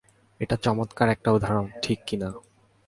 এটা চমৎকার একটা উদাহরণ, ঠিক কিনা?